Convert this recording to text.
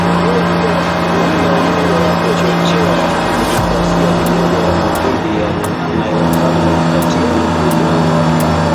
Kundi la Umoja wa Kuchochea Demokrasia ni moja ya makundi yanayofanya ukatili mkubwa